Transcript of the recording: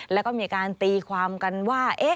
แล้วก็มีการตีความกันว่า